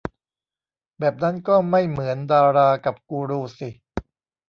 แบบนั้นก็ไม่เหมือนดารากับกูรูสิ